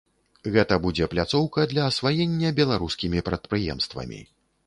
Гэта будзе пляцоўка для асваення беларускімі прадпрыемствамі.